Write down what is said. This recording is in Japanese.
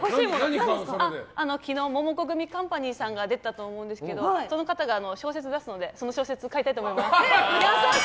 昨日モモコグミカンパニーさんが出たと思うんですけどその方が小説を出すのでその小説をメンバー思い！